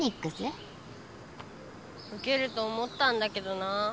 ウケると思ったんだけどな。